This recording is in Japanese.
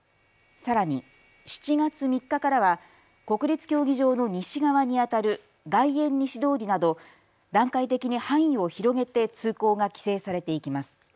さらに７月３日からは国立競技場の西側にあたる外苑西通りなど段階的に範囲を広げて通行が規制されていきます。